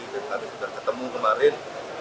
dan kami sudah ketemu kemarin